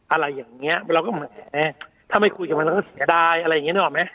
อะไรอย่างเนี้ยถ้าไม่คุยกับมันเราก็เสียดาย